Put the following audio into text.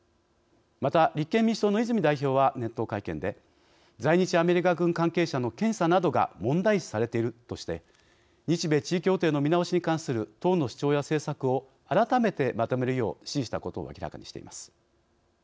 また、立憲民主党の泉代表は年頭会見で「在日アメリカ軍関係者の検査などが問題視されている」として日米地位協定の見直しに関する党の主張や政策を改めてまとめるよう指示したことを明らかにしています。